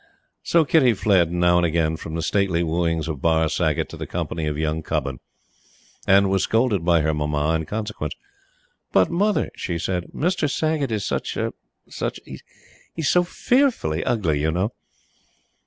So Kitty fled, now and again, from the stately wooings of Barr Saggott to the company of young Cubbon, and was scolded by her Mamma in consequence. "But, Mother," she said, "Mr. Saggot is such such a is so FEARFULLY ugly, you know!"